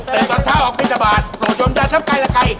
เต้นตอนเช้าออกมิธบาทโหวลชมเยอะครับใกล้ละกัย